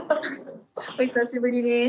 お久しぶりです。